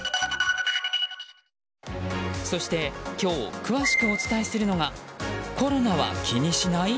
そして今日詳しくお伝えするのがコロナは気にしない？